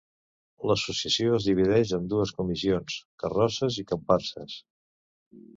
L'associació es divideix en dues comissions: carrosses i comparses.